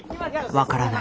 「分からない。